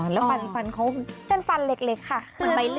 แล้วฟันฟันเขาเป็นฟันเล็กค่ะ